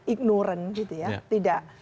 ignorant gitu ya tidak